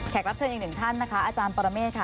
รับเชิญอีกหนึ่งท่านนะคะอาจารย์ปรเมฆค่ะ